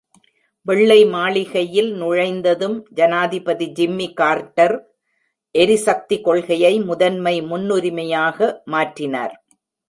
வெள்ளை மாளிகையில் நுழைந்ததும், ஜனாதிபதி ஜிம்மி கார்ட்டர் எரிசக்தி கொள்கையை முதன்மை முன்னுரிமையாக மாற்றினார்.